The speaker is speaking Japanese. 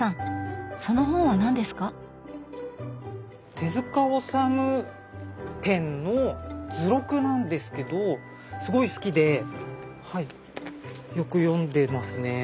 手治虫展の図録なんですけどすごい好きではいよく読んでますね。